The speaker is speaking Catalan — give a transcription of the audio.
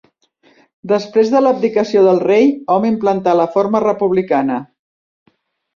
Després de l'abdicació del rei, hom implantà la forma republicana.